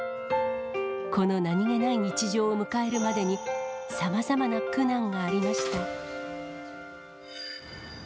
この何気ない日常を迎えるまでに、さまざまな苦難がありました。